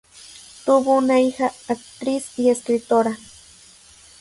Tuvo una hija, actriz y escritora.